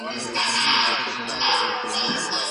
چي ور پاته له خپل پلاره نښانه وه